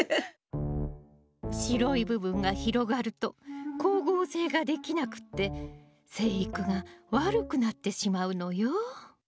白い部分が広がると光合成ができなくって生育が悪くなってしまうのよ。